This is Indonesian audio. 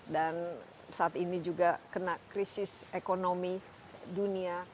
dan saat ini juga kena krisis ekonomi dunia